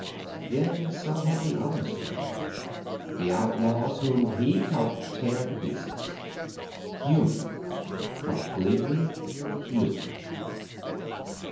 Then so had the others been. The outlaws whom he'd helped tear to pieces. Human. Completely human.